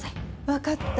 分かった。